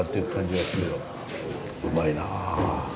うまいな。